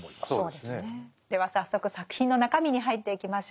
では早速作品の中身に入っていきましょう。